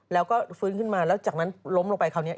แล้วก็ฟื้นขึ้นมาแล้วจากนั้นล้มลงไปคราวนี้